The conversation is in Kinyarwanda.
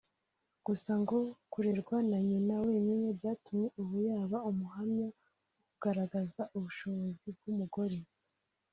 gusa ngo kurerwa na nyina wenyine byatumye ubu yaba umuhamya mu kugaragaza ubushobozi bw’umugore